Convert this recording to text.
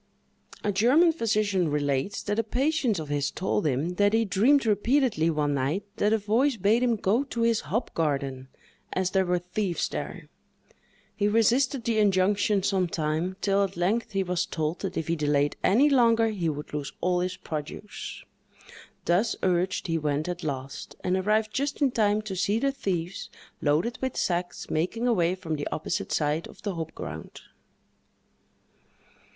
A German physician relates, that a patient of his told him, that he dreamed repeatedly, one night, that a voice bade him go to his hop garden, as there were thieves there. He resisted the injunction some time, till at length he was told that if he delayed any longer he would lose all his produce. Thus urged, he went at last, and arrived just in time to see the thieves, loaded with sacks, making away from the opposite side of the hop ground.